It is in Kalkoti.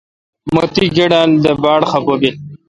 مہ تی کیڈال دے باڑ خفہ بیل۔